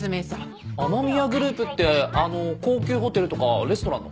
天宮グループってあの高級ホテルとかレストランの？